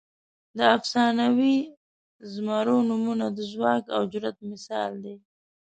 د افسانوي زمرو نومونه د ځواک او جرئت مثال دي.